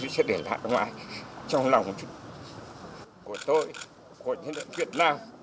sẽ để lại trong lòng của tôi của nhân dân việt nam